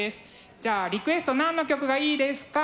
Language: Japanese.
じゃあリクエスト何の曲がいいですか？